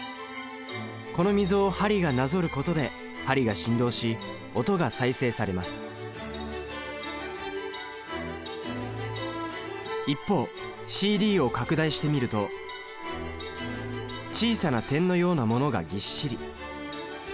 この溝を針がなぞることで針が振動し音が再生されます一方ＣＤを拡大してみると小さな点のようなものがぎっしり。